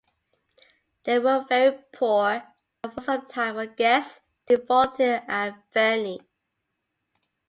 They were very poor, and for some time were guests of Voltaire at Ferney.